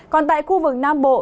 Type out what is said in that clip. còn tại khu vực nam bộ